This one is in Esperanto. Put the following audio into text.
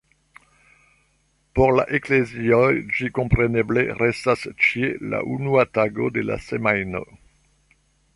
Por la eklezioj ĝi kompreneble restas ĉie la unua tago de la semajno.